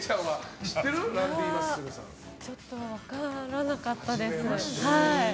ちょっと分からなかったです。